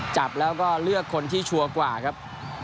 จับแล้วก็เลือกคนที่ชัวร์กว่าครับ